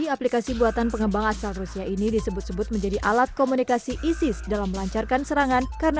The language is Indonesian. apa standar dari telegram ellange